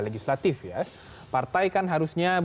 legislatif ya partai kan harusnya